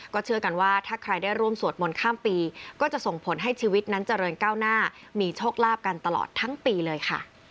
เชื่อกันว่าถ้าใครได้ร่วมสวดมนต์ข้ามปีก็จะส่งผลให้ชีวิตนั้นเจริญก้าวหน้ามีโชคลาภกันตลอดทั้งปีเลยค่ะ